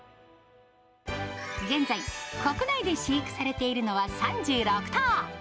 現在、国内で飼育されているのは３６頭。